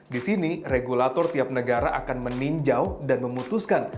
di sini regulator tiap negara akan meninjau dan memutuskan